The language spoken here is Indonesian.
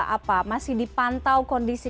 apa masih dipantau kondisi